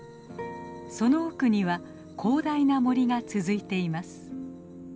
その奥には広大な森が続いています。